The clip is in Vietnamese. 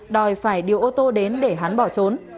đòi phải điều ô tô đến để hắn bỏ trốn